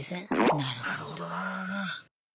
なるほどな。